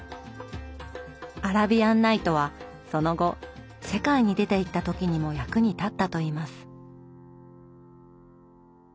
「アラビアン・ナイト」はその後世界に出ていった時にも役に立ったといいます。